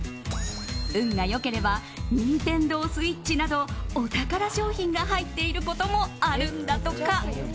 運が良ければ、ＮｉｎｔｅｎｄｏＳｗｉｔｃｈなどお宝商品が入っていることもあるんだとか。